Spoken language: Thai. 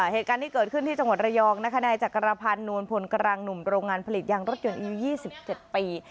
เหตุการณ์ที่เกิดขึ้นที่จังหวัดระยองนะคะนายจักรพันธ์นวลพลกำลังหนุ่มโรงงานผลิตยางรถยนต์อายุ๒๗ปี